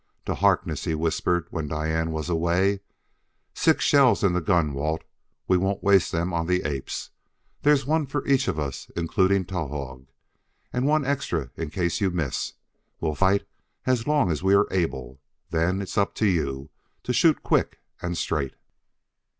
To Harkness he whispered when Diane was away: "Six shells in the gun, Walt; we won't waste them on the apes. There's one for each of us including Towahg, and one extra in case you miss. We'll fight as long as we are able; then it's up to you to shoot quick and straight."